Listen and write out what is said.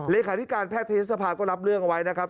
เลขาธิการแพทยศภาก็รับเรื่องเอาไว้นะครับ